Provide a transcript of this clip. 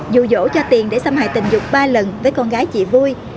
dù dỗ cho tiền để xâm hại tình dục ba lần với con gái chị vui